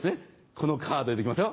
このカードで行きますよ。